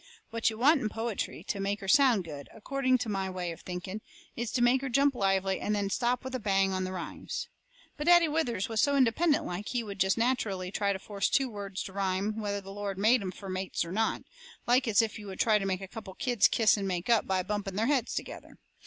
What you want in poetry to make her sound good, according to my way of thinking, is to make her jump lively, and then stop with a bang on the rhymes. But Daddy Withers was so independent like he would jest natcherally try to force two words to rhyme whether the Lord made 'em fur mates or not like as if you would try to make a couple of kids kiss and make up by bumping their heads together.